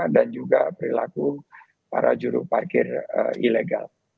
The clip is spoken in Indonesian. dan juga perilaku para juru parkir ilegal